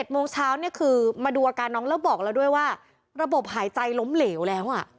โมงเช้าเนี่ยคือมาดูอาการน้องแล้วบอกแล้วด้วยว่าระบบหายใจล้มเหลวแล้ว